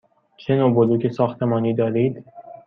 چه نوع بلوک ساختمانی دارید؟